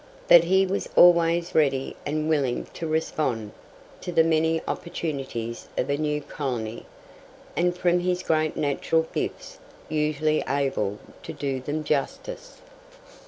But he was always ready and willing to respond to the many opportunities of a new colony, and from his great natural gifts usually able to do them justice.